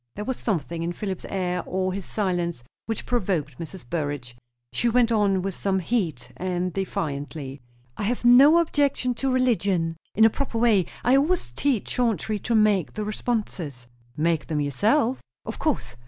There was something in Philip's air or his silence which provoked Mrs. Burrage. She went on with some heat, and defiantly. "I have no objection to religion, in a proper way. I always teach Chauncey to make the responses." "Make them yourself?" "Of course."